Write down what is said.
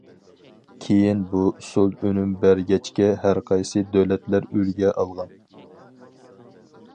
كېيىن بۇ ئۇسۇل ئۈنۈم بەرگەچكە، ھەر قايسى دۆلەتلەر ئۈلگە ئالغان.